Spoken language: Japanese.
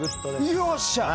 よっしゃ！